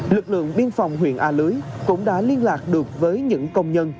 lực lượng biên phòng huyện a lưới cũng đã liên lạc được với những công nhân